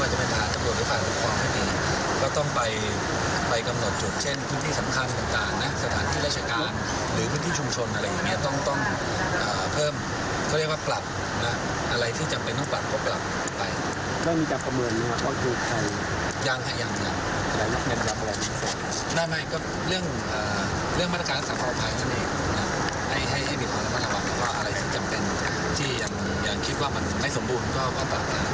ให้มีความประนับอะไรที่จำเป็นที่คิดว่ามันไม่สมบูรณ์